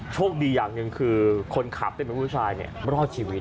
โชคดีอย่างหนึ่งคือคนขับที่เป็นผู้ชายรอดชีวิต